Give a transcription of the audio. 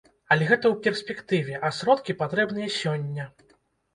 Але гэта ў перспектыве, а сродкі патрэбныя сёння.